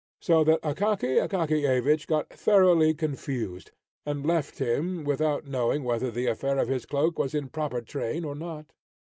So that Akaky Akakiyevich got thoroughly confused, and left him, without knowing whether the affair of his cloak was in proper train or not.